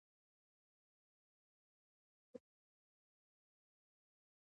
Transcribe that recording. پرېکړې باید عملي وي